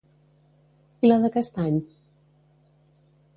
I la d'aquest any?